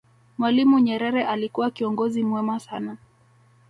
mwalimu nyerere alikuwa kiongozi mwema sana